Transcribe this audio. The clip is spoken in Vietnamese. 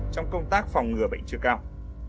trong công tác phòng ngừa bệnh trưa cao